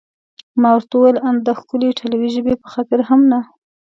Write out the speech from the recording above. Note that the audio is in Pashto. ما ورته وویل: ان د ښکلې ایټالوي ژبې په خاطر هم نه؟